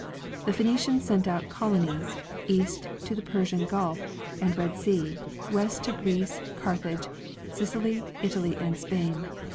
The Phenecians sent out colonies, east to the Persian gulf and Red sea; west to Greece, Carthage, Sicily, Italy, and Spain.